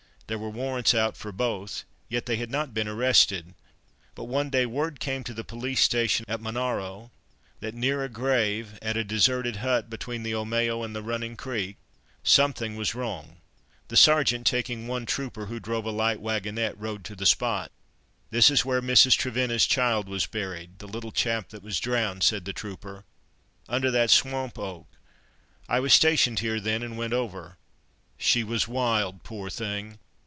There were warrants out for both, yet they had not been arrested. But one day, word came to the police station at Monaro, that near a grave, at a deserted hut between Omeo and the Running Creek, something was wrong. The Sergeant, taking one trooper who drove a light waggonette, rode to the spot. "This is where Mrs. Trevenna's child was buried, the little chap that was drowned," said the trooper, "under that swamp oak. I was stationed here then and went over. She was wild, poor thing!